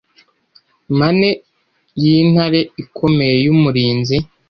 Mane yintare ikomeye yumurinzi